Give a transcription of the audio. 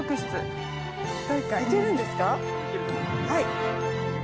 はい。